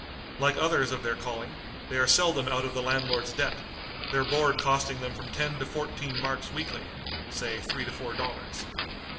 Like others of their calling, they are seldom out of the landlord's debt, their board costing them from ten to fourteen marks weekly (say three to four dollars).